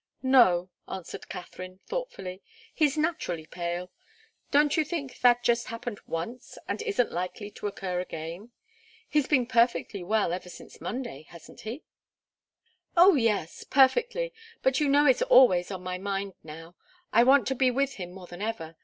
"No," answered Katharine, thoughtfully. "He's naturally pale. Don't you think that just happened once, and isn't likely to occur again? He's been perfectly well ever since Monday, hasn't he?" "Oh, yes perfectly. But you know it's always on my mind, now. I want to be with him more than ever.